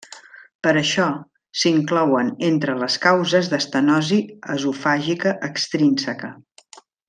Per això, s'inclouen entre les causes d'estenosi esofàgica extrínseca.